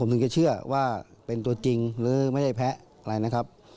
ผมถึงจะเชื่อว่าเป็นตัวจริงหรือไม่ได้แพ้อะไรนะครับ